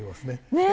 ねえ。